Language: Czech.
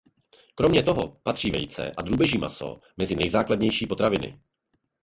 Kromě toho patří vejce a drůbeží maso mezi nejzákladnější potraviny.